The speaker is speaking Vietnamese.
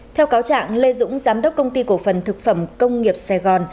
theo cáo trạng lê dũng giám đốc công ty cổ phần thực phẩm công nghiệp sài gòn